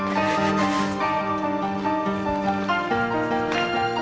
game ace sejahggang